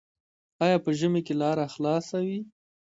آیا په ژمي کې لاره خلاصه وي؟